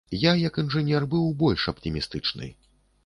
Я, як інжынер, быў больш аптымістычны.